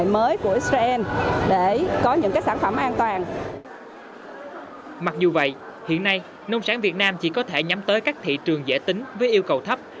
mặc dù vậy hiện nay nông sản việt nam chỉ có thể nhắm tới các thị trường dễ tính với yêu cầu thấp